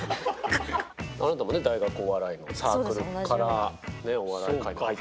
あなたもね大学お笑いのサークルからねお笑い界に入ってますから。